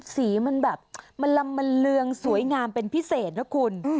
สีมันแบบมันลำมันเรืองสวยงามเป็นพิเศษนะคุณ